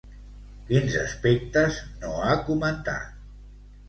Quins aspectes no ha comentat?